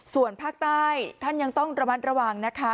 ส่วนภาคใต้ท่านยังต้องระมัดระวังนะคะ